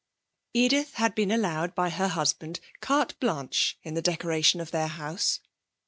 Edith had been allowed by her husband carte blanche in the decoration of their house.